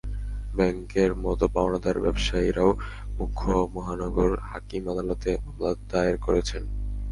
ব্যাংকের মতো পাওনাদার ব্যবসায়ীরাও মুখ্য মহানগর হাকিম আদালতে মামলা দায়ের করেছেন।